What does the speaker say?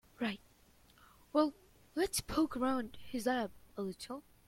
Right, well let's poke around his lab a little.